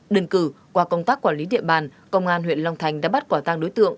đừng cử qua công tác quản lý địa bàn công an huyện long thành đã bắt quả tăng đối tượng